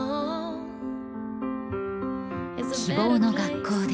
希望の学校で